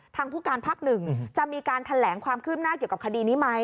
ทางผู้การภาค๑จะมีการแถลงความคืบหน้าเกี่ยวกับคดีนี้ไหม